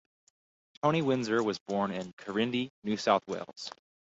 Tony Windsor was born in Quirindi, New South Wales.